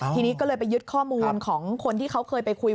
ทีนี้ก็เลยไปยึดข้อมูลของคนที่เขาเคยไปคุย